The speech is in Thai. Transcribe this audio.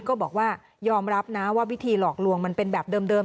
ก็บอกว่ายอมรับนะว่าวิธีหลอกลวงมันเป็นแบบเดิม